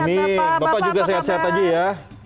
ini bapak juga sehat sehat aja ya